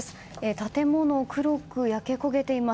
建物、黒く焼け焦げています。